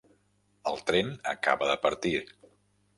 El tren acaba de partir.